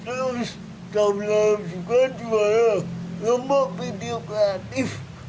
terus tahun lalu juga juara lembak video kreatif